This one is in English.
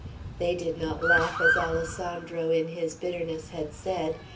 They did not laugh, as Alessandro in his bitterness had said.